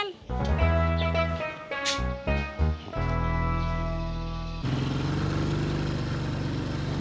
bang ojek ketulangan